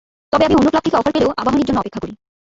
তবে আমি অন্য ক্লাব থেকে অফার পেলেও আবাহনীর জন্য অপেক্ষা করি।